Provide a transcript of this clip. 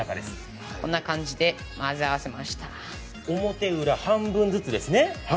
表裏、半分ずつですね。